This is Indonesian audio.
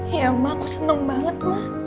iya emang aku seneng banget